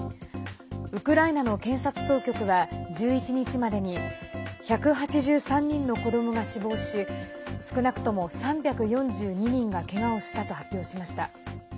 ウクライナの検察当局は１１日までに１８３人の子どもが死亡し少なくとも３４２人がけがをしたと発表しました。